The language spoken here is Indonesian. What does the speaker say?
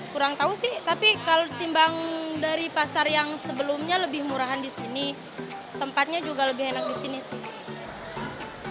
kurang tahu sih tapi kalau timbang dari pasar yang sebelumnya lebih murahan di sini tempatnya juga lebih enak di sini sih